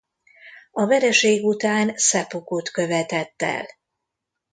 A vereség után szeppukut követett el.